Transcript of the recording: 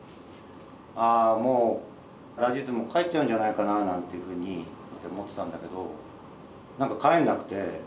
ああもうラジズも帰っちゃうんじゃないかななんていうふうに思ってたんだけど何か帰んなくて。